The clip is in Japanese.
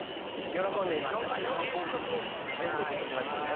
『ベスト・キッド』じゃなくてね。